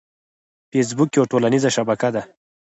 فېسبوک یوه ټولنیزه شبکه ده